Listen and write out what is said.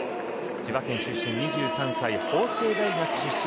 千葉県出身の２３歳法政大学出身